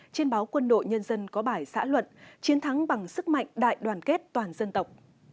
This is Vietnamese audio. trên báo quân đội nhân dân có bài xã luận chiến thắng bằng sức mạnh đại đoàn kết toàn dân tộc